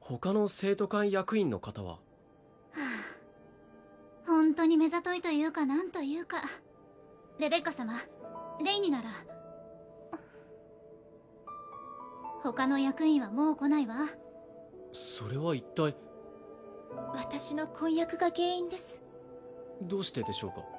他の生徒会役員の方は？はあホントに目ざといというか何というかレベッカ様レイになら他の役員はもう来ないわそれは一体私の婚約が原因ですどうしてでしょうか？